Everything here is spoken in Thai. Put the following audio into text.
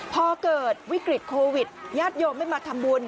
พอเกิดวิกฤตโควิดญาติโยมไม่มาทำบุญ